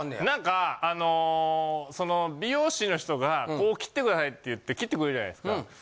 なんかあのその美容師の人がこう切ってくださいっていって切ってくれるじゃないですか。